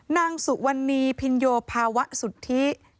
นางสุวรรณีพินโยภาวะสุทธิ